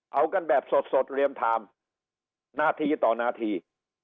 เอากันแบบสดเรียมไทม์นาทีต่อนาที